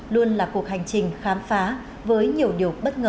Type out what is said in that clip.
luôn là cuộc hành trình khám phá với nhiều điều bất ngờ